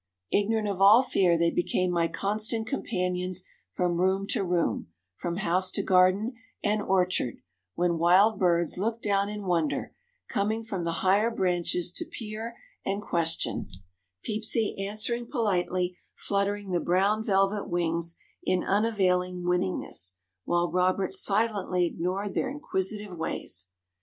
Ignorant of all fear they became my constant companions from room to room, from house to garden and orchard, when wild birds looked down in wonder, coming from the higher branches to peer and question, Peepsy answering politely, fluttering the brown velvet wings in unavailing winningness, while Robert silently ignored their inquisitive ways.